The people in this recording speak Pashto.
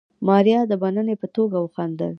ماريا د مننې په توګه وخندل.